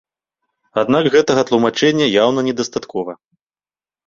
Аднак гэтага тлумачэння яўна недастаткова.